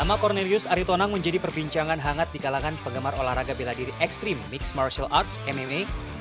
nama cornerius aritonang menjadi perbincangan hangat di kalangan penggemar olahraga bela diri ekstrim mixed martial arts mma